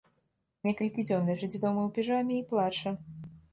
Некалькі дзён ляжыць дома ў піжаме і плача.